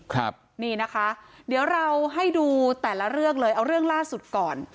ครับนี่นะคะเดี๋ยวเราให้ดูแต่ละเรื่องเลยเอาเรื่องล่าสุดก่อน